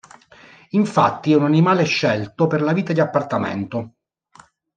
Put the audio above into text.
Infatti è un animale scelto per la vita di appartamento.